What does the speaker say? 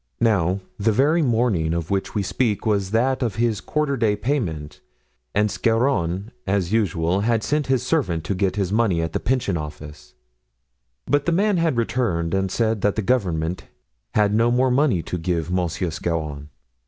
Now, the very morning of which we speak was that of his quarter day payment, and Scarron, as usual, had sent his servant to get his money at the pension office, but the man had returned and said that the government had no more money to give Monsieur Scarron.